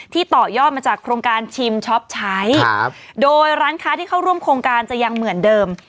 ต่อยอดมาจากโครงการชิมช็อปใช้ครับโดยร้านค้าที่เข้าร่วมโครงการจะยังเหมือนเดิม